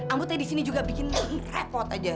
ambu teh di sini juga bikin repot aja